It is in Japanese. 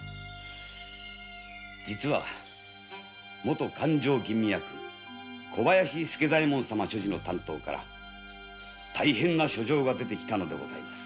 実は元勘定吟味役・小林助左衛門殿所持の短刀から大変な書状が出てきたのでございます。